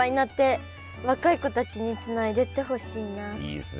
いいですね